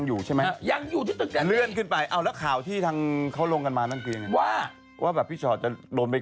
ต่ออ่ะเธอไปกวดทิ้งแบบวันไหลกวับจิตใจ